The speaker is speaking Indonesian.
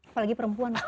apalagi perempuan ustaz ya